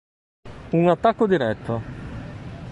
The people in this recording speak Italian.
Un attacco diretto.